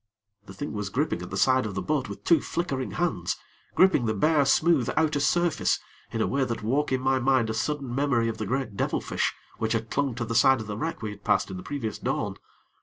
The thing was gripping at the side of the boat with two flickering hands gripping the bare, smooth outer surface, in a way that woke in my mind a sudden memory of the great devilfish which had clung to the side of the wreck we had passed in the previous dawn.